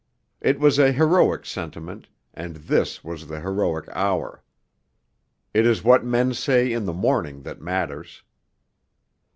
It was a heroic sentiment, and this was the heroic hour. It is what men say in the morning that matters....